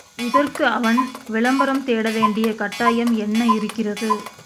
இதற்கு அவன் விளம்பரம் தேட வேண்டிய கட்டாயம் என்ன இருக்கிறது?